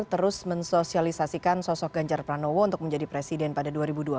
terus mensosialisasikan sosok ganjar pranowo untuk menjadi presiden pada dua ribu dua puluh